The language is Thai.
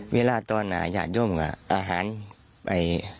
เวลาตอนอาญาโยมอ่ะอาหารไอ้